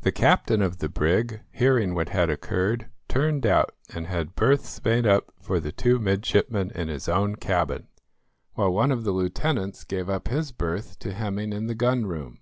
The captain of the brig, hearing what had occurred, turned out, and had berths made up for the two midshipmen in his own cabin, while one of the lieutenants gave up his berth to Hemming in the gun room.